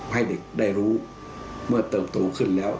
ให้เด็กได้รู้เมื่อเติบโตขึ้นแล้ว